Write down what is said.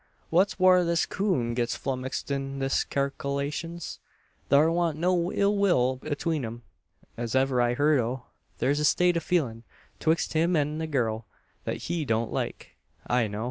Thet's whar this coon gets flummixed in his kalkerlations. Thar want no ill will atween 'em, as ever I heerd o'. Thur's a state o' feelin' twixt him an the gurl, thet he don't like, I know.